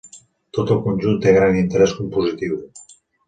Tot el conjunt té gran interès compositiu.